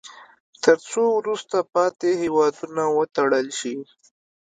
تر څو وروسته پاتې هیوادونه وتړل شي.